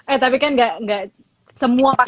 eh tapi kan gak semua